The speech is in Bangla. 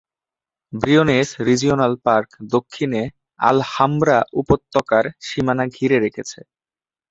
ব্রিওনেস রিজিওনাল পার্ক দক্ষিণে আলহামব্রা উপত্যকার সীমানা ঘিরে রেখেছে।